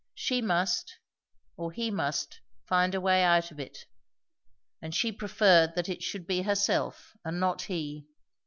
She must, or he must, find a way out of it; and she preferred that it should be herself and not he.